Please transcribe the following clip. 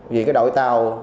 vì cái đội tàu